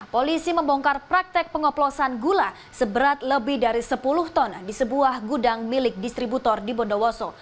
polisi membongkar praktek pengoplosan gula seberat lebih dari sepuluh ton di sebuah gudang milik distributor di bondowoso